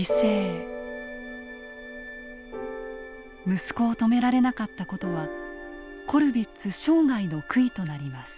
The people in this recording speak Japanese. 息子を止められなかった事はコルヴィッツ生涯の悔いとなります。